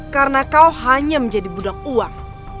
karena kau hanya menjadi budak uang